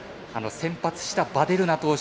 先発したヴァデルナ投手